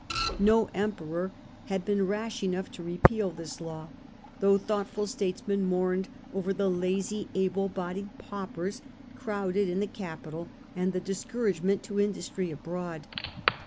No Emperor had been rash enough to repeal this law, though thoughtful statesmen mourned over the lazy able bodied paupers crowded in the capital, and the discouragement to industry abroad.